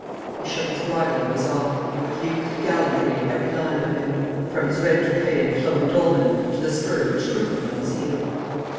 He shook his bridle and was off, with youth and gallantry in every line of him, from his red toupet and flowing dolman to the spur which twinkled on his heel.